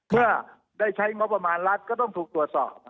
เมื่อได้ใช้งบประมาณรัฐก็ต้องถูกตรวจสอบ